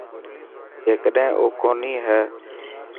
جيڪڏهن او ڪوني هي.